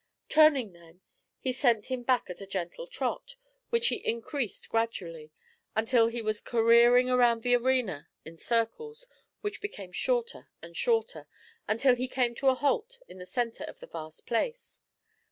Turning then, he sent him back at a gentle trot, which he increased gradually, until he was careering around the arena in circles, which became shorter and shorter, until he came to a halt in the centre of the vast place.